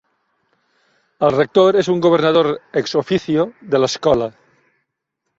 El rector és un governador "ex officio" de l'escola.